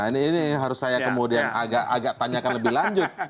nah ini harus saya kemudian agak tanyakan lebih lanjut